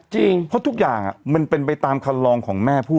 เพราะทุกอย่างมันเป็นไปตามคันลองของแม่พูด